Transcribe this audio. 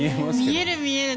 見える、見える。